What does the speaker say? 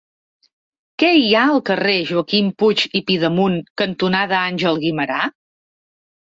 Què hi ha al carrer Joaquim Puig i Pidemunt cantonada Àngel Guimerà?